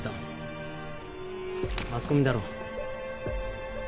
マスコミだろう。